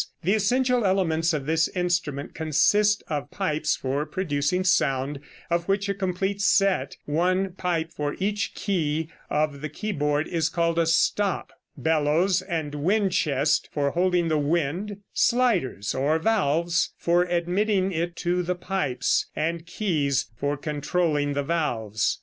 The essential elements of this instrument consist of pipes for producing sound, of which a complete set, one pipe for each key of the keyboard, is called a stop; bellows and wind chest for holding the wind, sliders or valves for admitting it to the pipes, and keys for controlling the valves.